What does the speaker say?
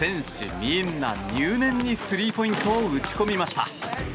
みんな入念にスリーポイントを打ち込みました。